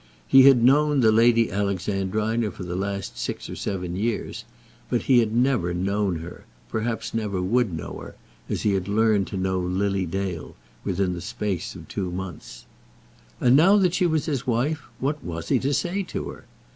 He had known the Lady Alexandrina for the last six or seven years; but he had never known her, perhaps never would know her, as he had learned to know Lily Dale within the space of two months. And now that she was his wife, what was he to say to her?